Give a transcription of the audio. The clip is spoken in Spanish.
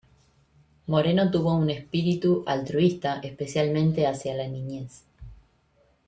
Moreno tuvo un espíritu altruista, especialmente hacia la niñez.